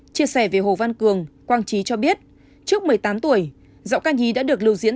chia sẻ về hồ văn cường quang trí cho biết trước một mươi tám tuổi giọng ca nhí đã được lưu diễn